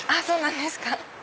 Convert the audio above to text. そうなんですか。